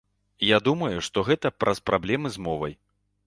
Я думаю, што гэта праз праблемы з мовай.